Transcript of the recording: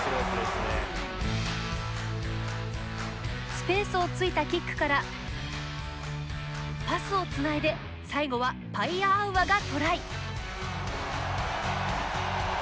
スペースをついたキックからパスをつないで最後はパイアアウアがトライ。